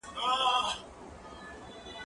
زه پرون سفر کوم؟